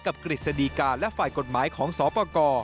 กฤษฎีการและฝ่ายกฎหมายของสปกร